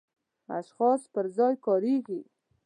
اشخاصو پر ځای کاریږي.